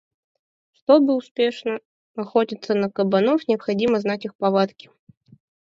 Чтобы успешно охотиться на кабанов, необходимо знать их повадки...